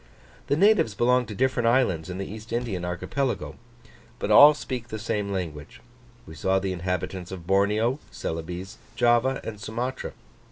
The natives belong to different islands in the East Indian archipelago, but all speak the same language: we saw the inhabitants of Borneo, Celebes, Java, and Sumatra.